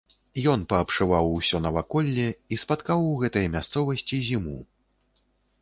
Ён паабшываў усё наваколле і спаткаў у гэтай мясцовасці зіму.